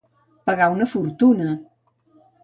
Pagar una fortuna.